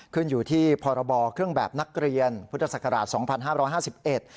ขึ้นอยู่ที่พรบเครื่องแบบนักเรียนพุทธศักราช๒๕๕๑